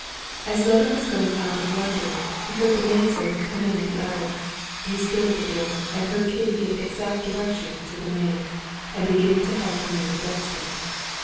As Levin was going out of one door, he heard the maid servant come in at the other. He stood at the door and heard Kitty giving exact directions to the maid, and beginning to help her move the bedstead.